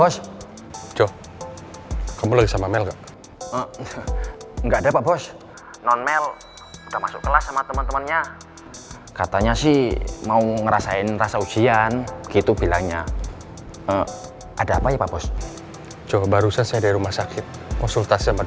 sampai jumpa di video selanjutnya